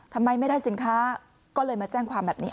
ทำไมไม่ได้สินค้าก็เลยมาแจ้งความแบบนี้